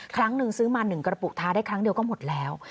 ครั้งนึงซื้อมา๑กระปุกทาได้ครั้งเดียวก็หมดแล้ว